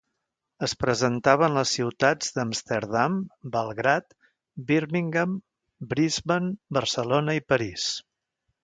Es presentaven les ciutats d'Amsterdam, Belgrad, Birmingham, Brisbane, Barcelona i París.